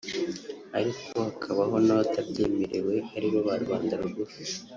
ariko hakaba n’abatabyemerewe aribo ba rubanda rugufi